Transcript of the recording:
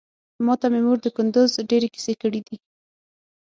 ماته مې مور د کندوز ډېرې کيسې کړې دي.